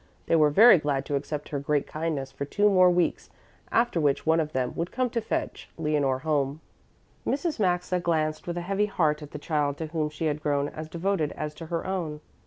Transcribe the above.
They were very glad to accept her great kindness for two more weeks, after which one of them would come to fetch Leonore home. Mrs. Maxa glanced with a heavy heart at the child to whom she had grown as devoted as to her own.